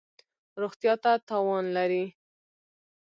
روغتیا ته تاوان لری